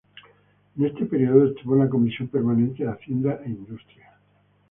En este período estuvo en la Comisión permanente de Hacienda e Industria.